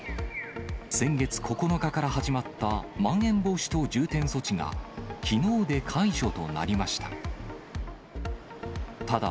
先月９日から始まったまん延防止等重点措置が、きのうで解除となりました。